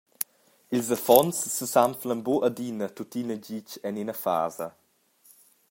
Ils affons sesanflan buc adina tuttina gitg en ina fasa.